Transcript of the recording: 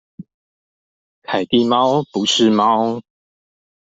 凱蒂貓不是貓